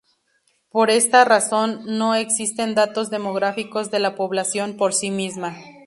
Por esa razón no existen datos demográficos de la población por sí misma.